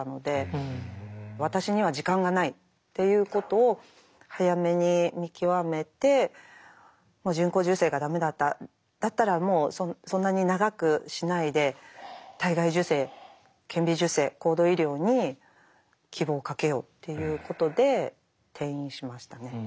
私には時間がないっていうことを早めに見極めてもう人工授精が駄目だったらもうそんなに長くしないで体外受精顕微授精高度医療に希望をかけようっていうことで転院しましたね。